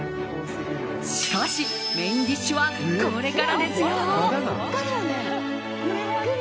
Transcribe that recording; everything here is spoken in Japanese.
しかしメインディッシュはこれからですよ！